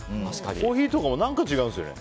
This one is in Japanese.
コーヒーとかも何か違うんですよね。